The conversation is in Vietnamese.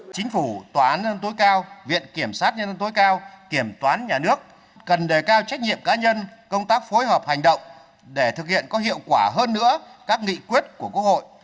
chính phủ tòa án nhân tối cao viện kiểm sát nhân dân tối cao kiểm toán nhà nước cần đề cao trách nhiệm cá nhân công tác phối hợp hành động để thực hiện có hiệu quả hơn nữa các nghị quyết của quốc hội